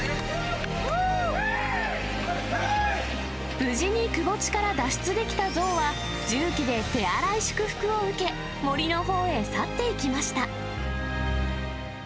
無事にくぼ地から脱出できた象は、重機で手荒い祝福を受け、森のほうへ去っていきました。